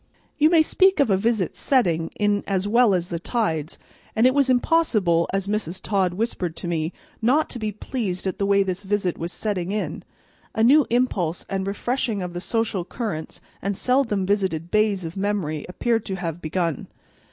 You may speak of a visit's setting in as well as a tide's, and it was impossible, as Mrs. Todd whispered to me, not to be pleased at the way this visit was setting in; a new impulse and refreshing of the social currents and seldom visited bays of memory appeared to have begun.